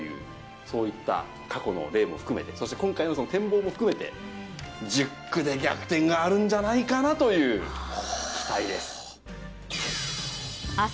そういった過去の例も含めて、そして今回の展望も含めて、１０区で逆転があるんじゃないかなという期待です。